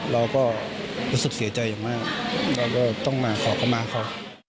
เราก็รู้สึกเสียใจอย่างมากเราก็ต้องมาขอเข้ามาเขา